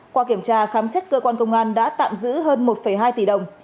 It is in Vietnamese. qua kiểm tra khám xét cơ quan công an đã tạm giữ hơn một hai tỷ đồng